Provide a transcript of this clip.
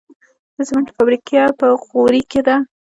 د سمنټو فابریکه په غوري کې ده